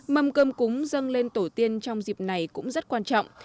mâm cơm cúng dâng lên tổ tiên trong dịp này cũng rất quan trọng